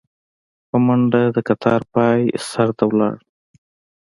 په منډه د کتار پاى سر ته ولاړو.